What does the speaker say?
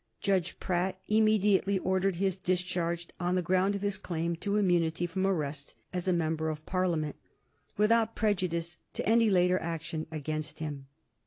Judge Pratt immediately ordered his discharge on the ground of his claim to immunity from arrest as a member of Parliament, without prejudice to any later action against him.